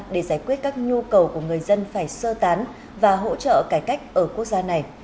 để giải quyết các nhu cầu của người dân phải sơ tán và hỗ trợ cải cách ở quốc gia này